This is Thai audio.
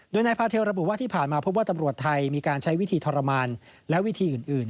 โดยนายพาเทลระบุว่าที่ผ่านมาพบว่าตำรวจไทยมีการใช้วิธีทรมานและวิธีอื่น